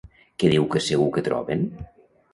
Què diu que segur que troben?